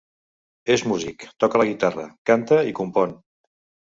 És músic, toca la guitarra, canta i compon.